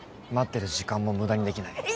待ってる時間も無駄にできない。